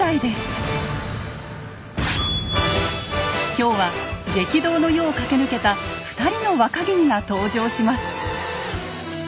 今日は激動の世を駆け抜けた２人の若君が登場します。